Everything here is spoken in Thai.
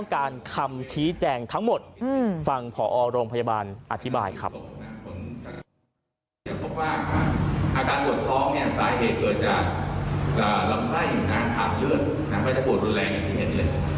ก็จะปวดรุนแรงอย่างที่เห็นเลย